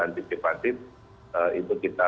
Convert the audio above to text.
antisipatif itu kita